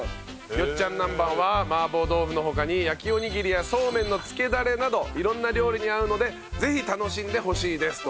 よっちゃんなんばんは麻婆豆腐の他に焼きおにぎりやそうめんの付けだれなど色んな料理に合うのでぜひ楽しんでほしいですと。